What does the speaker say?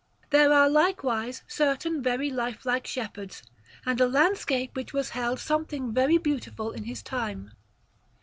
There are likewise certain very lifelike shepherds, and a landscape which was held something very beautiful in his time.